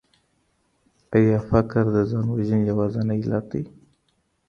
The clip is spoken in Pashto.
آيا فقر د ځان وژنې يوازينی علت دی؟